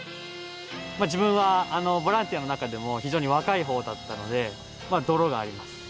自分はボランティアの中でも非常に若い方だったので泥があります。